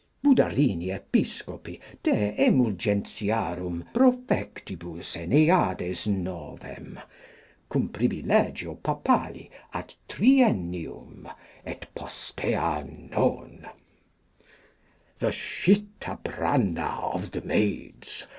Boudarini Episcopi de emulgentiarum profectibus Aeneades novem, cum privilegio Papali ad triennium et postea non. The Shitabranna of the Maids.